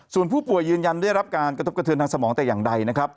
ส่วนผู้ป่วยยืนยันได้รับการกระทบกระเทินทางสมองแต่อย่างใดนะครับ